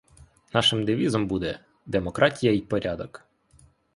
Нашим девізом буде — демократія й порядок.